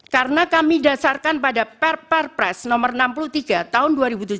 karena kami dasarkan pada perpres no enam puluh tiga tahun dua ribu tujuh belas